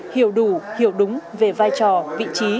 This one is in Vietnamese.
hiểu đủ hiểu đúng về vai trò vị trí